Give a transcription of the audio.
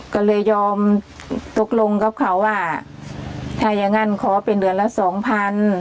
ก็เลยยอมตกลงกับเขาว่าถ้าอย่างงั้นขอเป็นเดือนละสองพัน